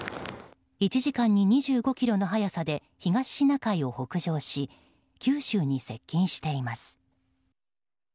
１時間に２５キロの速さで東シナ海を北上し九州に接近しています。